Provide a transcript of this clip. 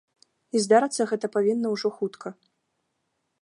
І здарыцца гэта павінна ўжо хутка.